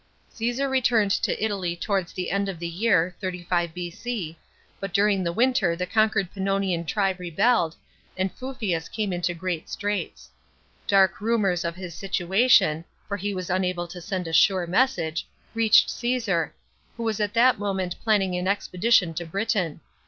Caesar returned to Italy towards the end of the year (35 B.C.), but during the winter the conquered Pannonian tribe rebelled, and Fufius came into great straits. Dark rumours of his situation, for he was unable to send a sure message, reached Caesar, who was at that moment planning an expedition to Britain.